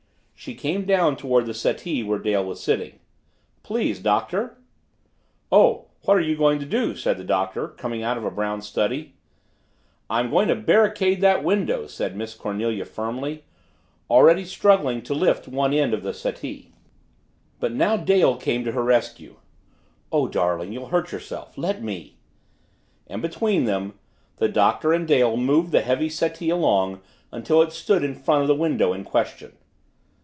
She came down toward the settee where Dale was sitting. "Please, Doctor!" "Oh what are you going to do?" said the Doctor, coming out of a brown study. "I'm going to barricade that window!" said Miss Cornelia firmly, already struggling to lift one end of the settee. But now Dale came to her rescue. "Oh, darling, you'll hurt yourself. Let me " and between them, the Doctor and Dale moved the heavy settee along until it stood in front of the window in question.